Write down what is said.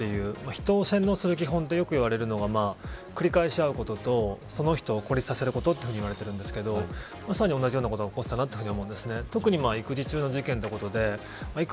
人を洗脳する基本とよくいわれるのが繰り返し会うことと、その人を孤立されさせることといわれているんですがまさに同じようなことが起こっていたと思います。